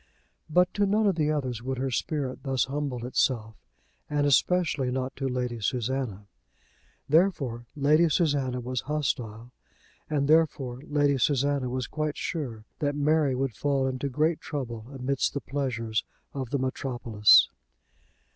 But to none of the others would her spirit thus humble itself, and especially not to Lady Susanna. Therefore Lady Susanna was hostile, and therefore Lady Susanna was quite sure that Mary would fall into great trouble amidst the pleasures of the metropolis.